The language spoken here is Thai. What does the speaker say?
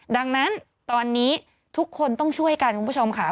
ดังนั้นตอนนี้ทุกคนต้องช่วยกันคุณผู้ชมค่ะ